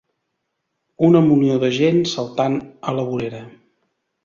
Una munió de gent saltant a la vorera.